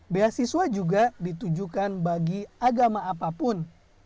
beasiswa juga ditujukan bagi agama apapun